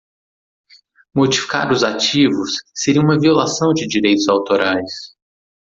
Modificar os ativos seria uma violação de direitos autorais.